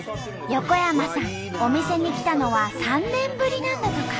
横山さんお店に来たのは３年ぶりなんだとか。